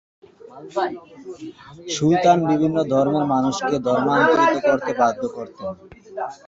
সুলতান বিভিন্ন ধর্মের মানুষকে ধর্মান্তরিত করতে বাধ্য করতেন।